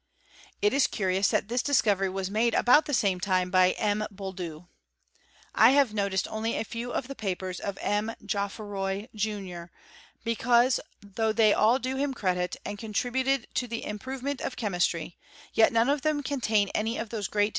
It is curious that this discovery was made about the same time by M. Boulduc. i have noticed only a few of the papers of M. Geotfroy, junior; because, though they all do hits credit, and contributed to the improvement of che laistry, yet none of them contain any of those great.